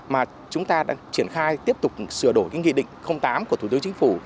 mà chúng ta đang triển khai tiếp tục sửa đổi nghị định tám của thủ tướng chính phủ